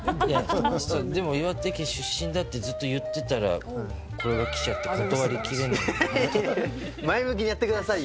でも、岩手県出身だってずっと言ってたら、これが来ちゃって、前向きにやってくださいよ。